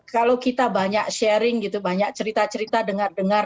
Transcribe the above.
kalau kita banyak sharing gitu banyak cerita cerita dengar dengar